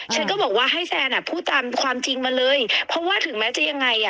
ก็บอกว่าให้แซนอ่ะพูดตามความจริงมาเลยเพราะว่าถึงแม้จะยังไงอ่ะ